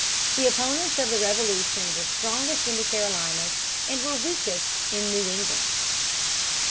The opponents of the Revolution were strongest in the Carolinas, and were weakest in New England.